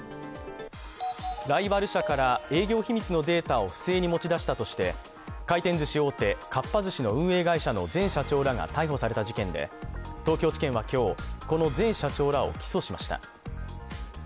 ライバル社から営業秘密のデータを不正に持ち出したとして、回転ずし大手かっぱ寿司の運営会社の前社長らが逮捕された事件で東京地検は今日、この前社長らを起訴しました。